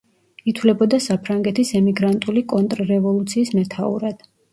ითვლებოდა საფრანგეთის ემიგრანტული კონტრრევოლუციის მეთაურად.